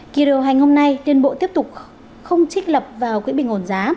kỳ điều hành hôm nay liên bộ tiếp tục không trích lập vào quỹ bình ổn giá